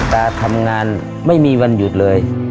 ตาทำงานไม่มีวันหยุดเลย